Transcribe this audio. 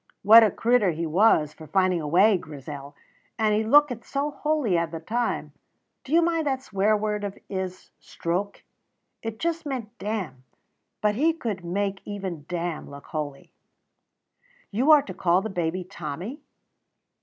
What a crittur he was for finding a way, Grizel! And he lookit so holy a' the time. Do you mind that swear word o' his 'stroke'? It just meant 'damn'; but he could make even 'damn' look holy." "You are to call the baby Tommy?"